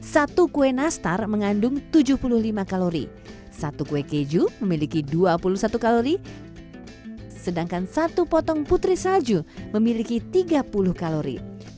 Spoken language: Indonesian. satu kue nastar mengandung tujuh puluh lima kalori satu kue keju memiliki dua puluh satu kalori sedangkan satu potong putri salju memiliki tiga puluh kalori